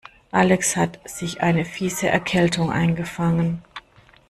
Alex hat sich eine fiese Erkältung eingefangen.